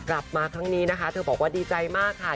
กลับมาครั้งนี้นะคะเธอบอกว่าดีใจมากค่ะ